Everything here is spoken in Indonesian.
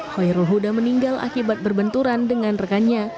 hoyrul huda meninggal akibat berbenturan dengan rekannya